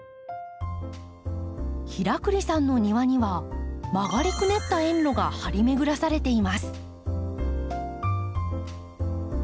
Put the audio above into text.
平栗さんの庭には曲がりくねった園路が張り巡らされています。